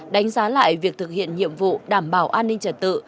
đánh giá lại việc thực hiện nhiệm vụ đảm bảo an ninh trật tự